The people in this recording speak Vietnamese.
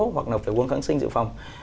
hoặc là phải uống kháng sinh dự phòng